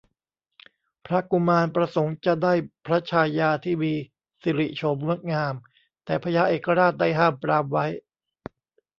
พระกุมารประสงค์จะได้พระชายาที่มีสิริโฉมงดงาม แต่พญาเอกราชได้ห้ามปรามไว้